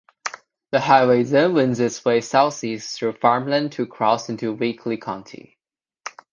The highway then winds its way southeast through farmland to cross into Weakley County.